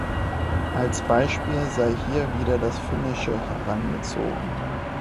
Als Beispiel sei hier wieder das Finnische herangezogen.